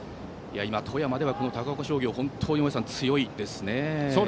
今、富山では高岡商業が本当に大矢さん、強いですね。